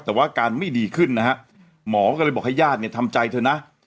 แต่ว่าอาการไม่ดีขึ้นนะฮะหมอก็เลยบอกให้ญาติเนี่ยทำใจเถอะนะ